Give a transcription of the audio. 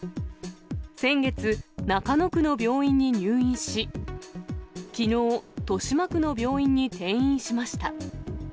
先月、中野区の病院に入院し、きのう、豊島区の病院に転院しました。